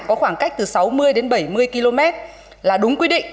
có khoảng cách từ sáu mươi đến bảy mươi km là đúng quy định